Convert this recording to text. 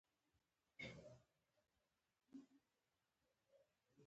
فېسبوک د تعلیم لپاره هم کارول کېږي